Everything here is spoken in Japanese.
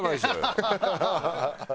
ハハハハ！